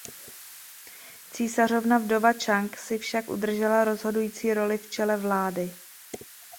Císařovna vdova Čang si však udržela rozhodující roli v čele vlády.